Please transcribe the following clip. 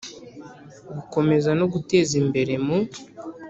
Gukomeza no guteza imbere mu